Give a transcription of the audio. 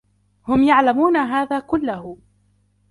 هم يعلمون هذا كله.